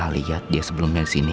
kait atas ini mau ke sini